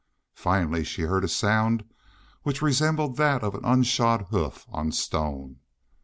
Finally she heard a sound which resembled that of an unshod hoof on stone.